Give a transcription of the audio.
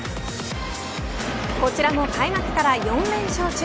こちらも開幕から４連勝中。